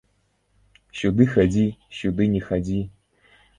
Сюды хадзі, сюды не хадзі.